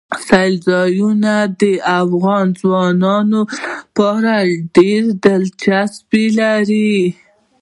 سیلاني ځایونه د افغان ځوانانو لپاره ډېره دلچسپي لري.